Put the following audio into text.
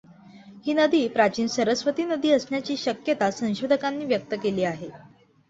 ही नदी प्राचीन सरस्वती नदी असण्याची शक्यता संशोधकांनी व्यक्त केली आहे.